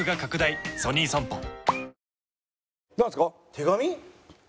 手紙？